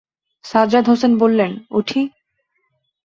সাজ্জাদ হোসেন বললেন, উঠি?